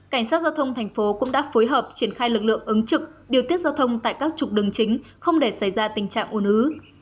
cảnh sát giao thông thành phố cũng đã phối hợp triển khai lực lượng ứng trực điều tiết giao thông tại các trục đường chính không để xảy ra tình trạng un ứ